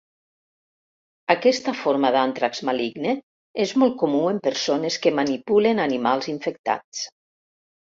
Aquesta forma d'àntrax maligne és molt comú en persones que manipulen animals infectats.